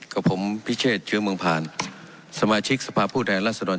กับผมพิเชษเชื้อเมืองผ่านสมาชิกสภาพผู้แทนรัศดร